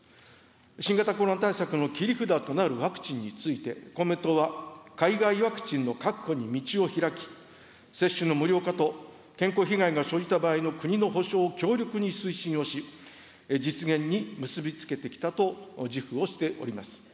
新型コロナ対策の切り札となるワクチンについて、公明党は海外ワクチンの確保に道を開き、接種の無料化と健康被害が生じた場合の国の補償を強力に推進をし、実現に結び付けてきたと自負をしております。